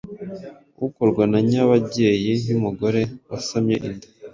ukorwa na nyababyeyi y’umugore wasamye inda